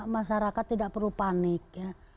masyarakat tidak perlu panik